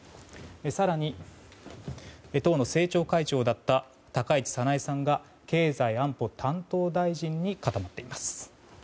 更に、党の政調会長だった高市早苗さんが経済安保担当大臣に固まっています。